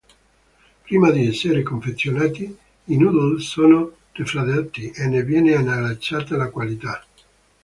Prima di essere confezionati, i noodle sono raffreddati e ne viene analizzata la qualità.